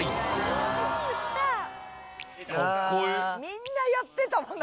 みんなやってた！